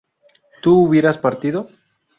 ¿tú hubieras partido?